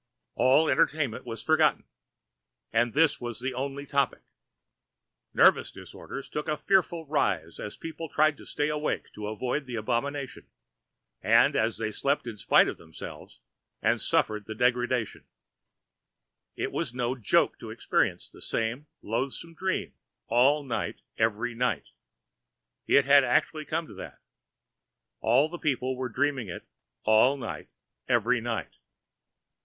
All entertainment was forgotten, and this was the only topic. Nervous disorders took a fearful rise as people tried to stay awake to avoid the abomination, and as they slept in spite of themselves and suffered the degradation. It is no joke to experience the same loathsome dream all night every night. It had actually come to that. All the people were dreaming it all night every night.